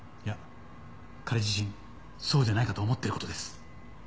いや彼自身そうじゃないかと思ってる事です。